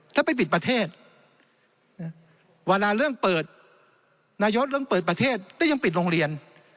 ถ้าไปปิดประเทศเวลาเรื่องเปิดนายกเรื่องเปิดประเทศก็ยังปิดโรงเรียน